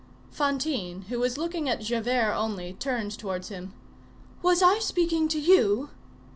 Fantine, who was looking at Javert only, turned towards him:— "Was I speaking to you?"